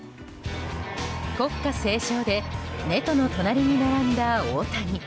国歌斉唱でネトの隣に並んだ大谷。